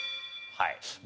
はい。